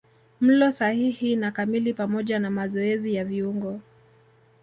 Mlo sahihi na kamili pamoja na mazoezi ya viungo